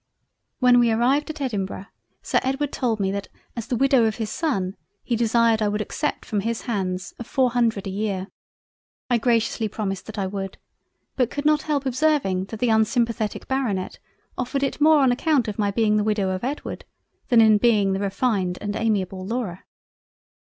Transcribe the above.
When we arrived at Edinburgh Sir Edward told me that as the Widow of his son, he desired I would accept from his Hands of four Hundred a year. I graciously promised that I would, but could not help observing that the unsimpathetic Baronet offered it more on account of my being the Widow of Edward than in being the refined and amiable Laura.